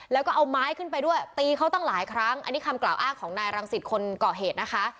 แล้วก็เอาไม้ขึ้นไปด้วยตีเขาตั้งหลายครั้งอันนี้คำกล่าวอ้างของนายรังสิตคนก่อเหตุนะคะ